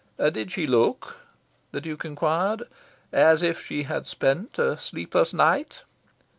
"Did she look," the Duke inquired, "as if she had spent a sleepless night?"